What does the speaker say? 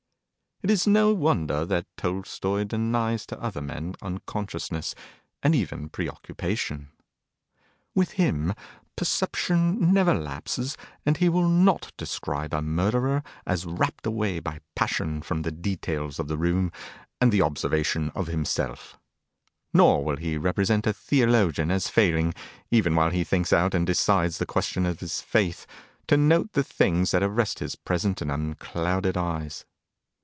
It is no wonder that Tolstoi denies to other men unconsciousness, and even preoccupation. With him perception never lapses, and he will not describe a murderer as rapt away by passion from the details of the room and the observation of himself; nor will he represent a theologian as failing even while he thinks out and decides the question of his faith to note the things that arrest his present and unclouded eyes.